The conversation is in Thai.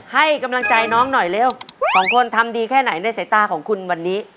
ให้กำลังใจน้องหน่อยเร็วสองคนทำดีแค่ไหนในสายตาของคุณวันนี้